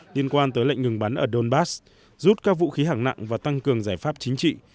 liên quan tới lệnh ngừng bắn ở donbass rút các vũ khí hẳng nặng và tăng cường giải pháp chính trị